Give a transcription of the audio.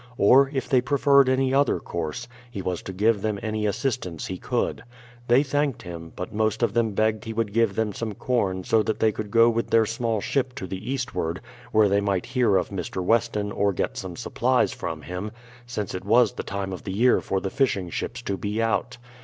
Or, if they preferred any other course, he was to give them any assistance he could. They thanked him, but most of them begged he would give them some corn so that they could go with their small ship to the eastward, where they might hear of Mr, Weston or get some supplies from him, since it was the time of the year for the fishing ships to be out.